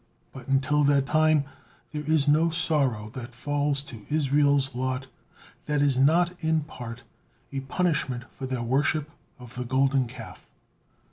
But until that time there is no sorrow that falls to Israel's lot that is not in part a punishment for their worship of the Golden Calf.